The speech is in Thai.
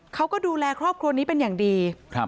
เขาก็ดูแลครอบครัวนี้เป็นอย่างดี